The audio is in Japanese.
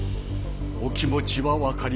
お気持ちは分かりますが。